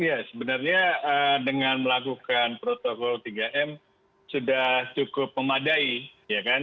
ya sebenarnya dengan melakukan protokol tiga m sudah cukup memadai ya kan